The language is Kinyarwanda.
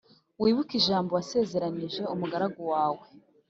Wibuke ijambo wasezeranije umugaragu wawe